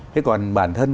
thế còn bản thân